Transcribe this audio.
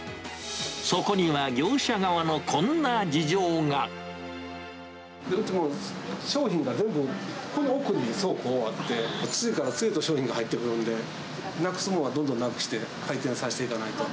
そこには、業者側のこんな事商品が全部この奥に倉庫があって、次から次へと商品が入ってくるので、なくす物はどんどんなくして、回転させていかないと。